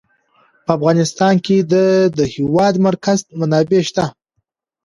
په افغانستان کې د د هېواد مرکز منابع شته.